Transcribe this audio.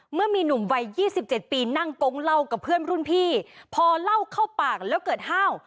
เมื่อมีหนุ่มวัย๒๗ปีนั่งกงเล่ากับเพื่อนรุ่นพี่พอเล่าเข้าปากแล้วเกิดห้าว